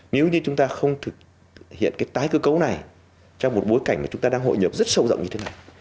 nếu như chúng ta không thực hiện cái tái cơ cấu này trong một bối cảnh mà chúng ta đang hội nhập rất sâu rộng như thế này